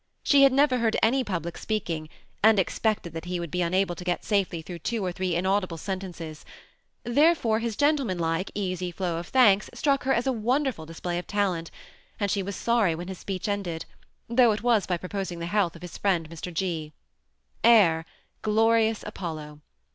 She had never heard any public speaking, and expected that he would be unable to get safely through two or three inaudible sen tences ; therefore his gentlemanlike, easy flow of thanks struck her as a wonderful display of talent, and she was sorry when his speech ended, though it was by propos ing the health of his friend Mr. G. Air —" Glorious Apollo."